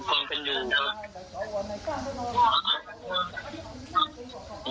พร้อมเป็นอยู่หรือครับ